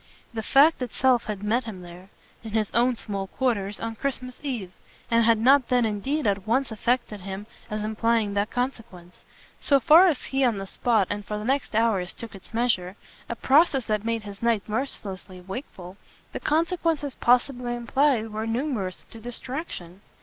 The fact itself had met him there in his own small quarters on Christmas Eve, and had not then indeed at once affected him as implying that consequence. So far as he on the spot and for the next hours took its measure a process that made his night mercilessly wakeful the consequences possibly implied were numerous to distraction.